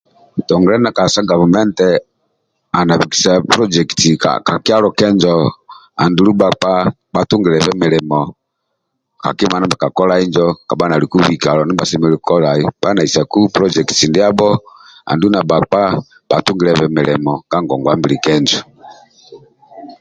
Kitongole ndyakali sa gavumenti ali na bikisa polojeliti ka kyalo kenjo andulu bhakpa bhatungilyebe milimo kakima ndia bhakakolai injo kabha naliku bhikalo bhali na isaku polojekiti ndiabho andulu na bhakpa bhatungilyebe milimo ka ngongwa mbili kenjo